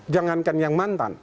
jangan yang mantan